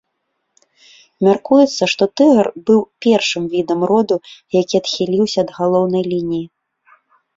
Мяркуецца, што тыгр быў першым відам роду, які адхіліўся ад галоўнай лініі.